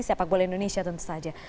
sepak bola indonesia tentu saja